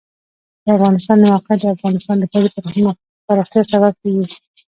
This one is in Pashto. د افغانستان د موقعیت د افغانستان د ښاري پراختیا سبب کېږي.